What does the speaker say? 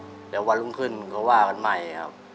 เดี๋ยววันรุ่งขึ้นก็ว่ากันใหม่ครับ